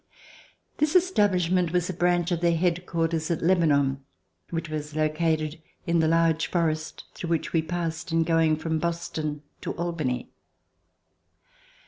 This establish ment was a branch of their headquarters at Lebanon, which was located in the large forest through which we passed in going from Boston to Albany.